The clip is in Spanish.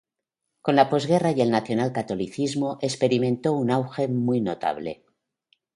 Con la posguerra y el Nacional catolicismo experimentó un auge muy notable.